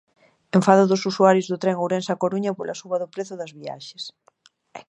Enfado dos usuarios do tren Ourense-A Coruña pola suba do prezo das viaxes.